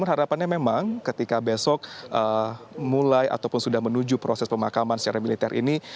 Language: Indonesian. jadi harapannya memang ketika besok mulai ataupun sudah menuju proses pemakaman secara militer ini